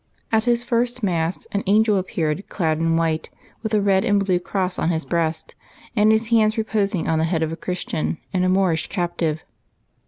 At his first Mass an angel appeared, clad in white, with a red and blue cross on his breast, and his hands re posing on the heads of a Christian and a Moorish captive.